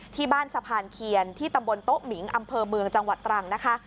ที่บ้านสะพานเคียนที่ตำบลโต๊ะหมิงอำเภอเมืองจังหวัดตรังนะคะ